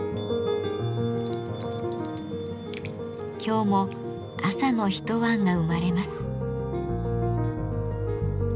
今日も朝のひと椀が生まれます。